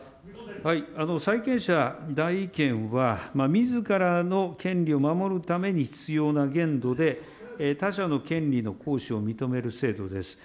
債権者代位権はみずからの権利を守るために必要な限度で、他者の権利の行使を認める制度です。